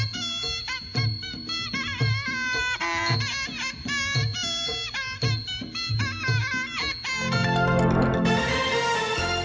สวัสดีค่ะ